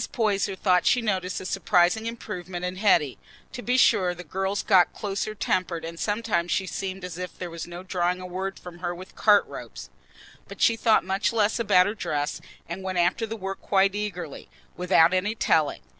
Poyser thought she noticed a surprising improvement in Hetty. To be sure, the girl got "closer tempered, and sometimes she seemed as if there'd be no drawing a word from her with cart ropes," but she thought much less about her dress, and went after the work quite eagerly, without any telling.